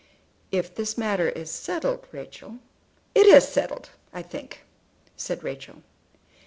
"If this matter is settled, Rachel " "It is settled, I think," said Rachel.